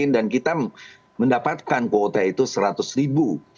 dan kita mendapatkan kuota itu seratus ribu